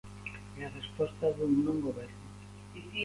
É a resposta dun non goberno.